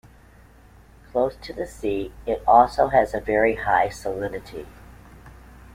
Close to the sea, it also has a very high salinity.